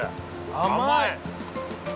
甘い。